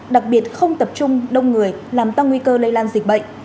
đặc biệt không tập trung đông người làm tăng nguy cơ lây lan dịch bệnh